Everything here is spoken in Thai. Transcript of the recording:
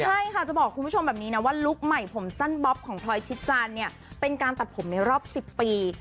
ใช่ค่ะจะบอกคุณผู้ชมแบบนี้นะว่าลุคใหม่ผมสั้นบ๊อบของพลอยชิดจานเนี่ยเป็นการตัดผมในรอบ๑๐ปี